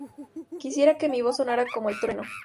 Quisiera que mi voz sonara como el trueno